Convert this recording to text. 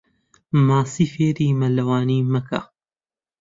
ماسی فێری مەلەوانی مەکە.